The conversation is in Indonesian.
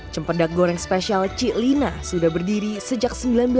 cempedak goreng spesial cik lina sudah berdiri sejak seribu sembilan ratus sembilan puluh